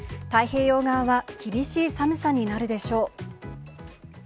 太平洋側は厳しい寒さになるでしょう。